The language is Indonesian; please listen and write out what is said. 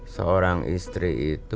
seorang istri itu